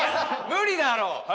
無理だろ！